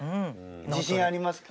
自信ありますか？